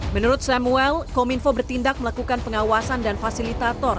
menurut samuel kominfo bertindak melakukan pengawasan dan fasilitator